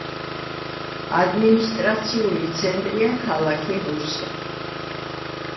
ადმინისტრაციული ცენტრია ქალაქი რუსე.